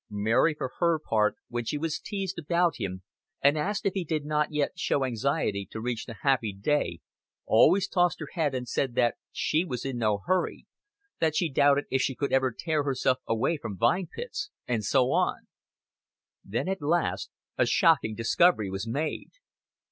Mary, for her part, when she was teased about him and asked if he did not yet show anxiety to reach the happy day, always tossed her head and said that she was in no hurry, that she doubted if she could ever tear herself away from Vine Pits, and so on. Then, at last, a shocking discovery was made.